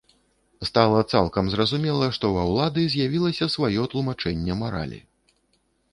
Стала цалкам зразумела, што ва ўлады з'явілася сваё тлумачэнне маралі.